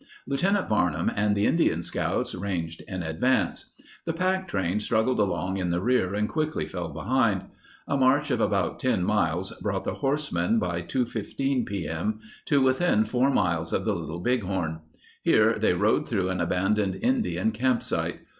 Lieutenant Varnum and the Indian scouts ranged in advance. The packtrain struggled along in the rear and quickly fell behind. A march of about ten miles brought the horsemen, by 2:15 p.m., to within four miles of the Little Bighorn. Here they rode through an abandoned Indian campsite.